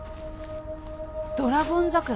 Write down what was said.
ドラゴン桜